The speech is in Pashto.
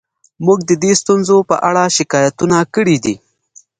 موږ د دې ستونزو په اړه شکایتونه کړي دي